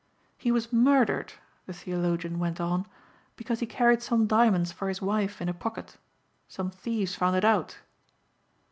"He was murdered," the theologian went on, "because he carried some diamonds for his wife in a pocket. Some thieves found it out."